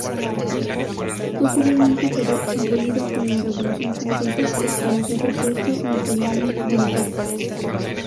Posteriormente quedó abolido con la Revolución francesa para ser repuesto Napoleón Bonaparte.